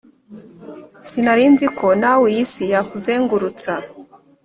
Sinarinziko nawe iy’isi yakuzengurutsa